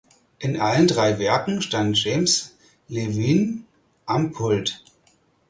In allen drei Werken stand James Levine am Pult.